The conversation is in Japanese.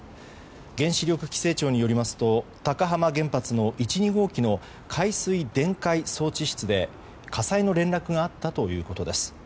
原子力規制庁によりますと高浜原発の１、２号機の海水電解装置室で、火災の連絡があったということです。